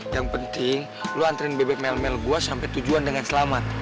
yang penting lu anterin beb beb mel mel gue sampai tujuan dengan selamat